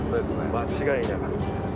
間違いなく。